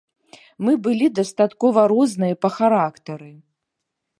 Мы былі дастаткова розныя па характары.